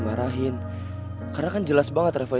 masih punya potensi yang sangat besar